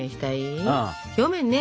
表面ね